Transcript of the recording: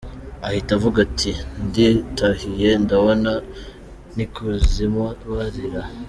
Ahita avuga ati : "Nditahiye ndabona n’ikuzimu barira.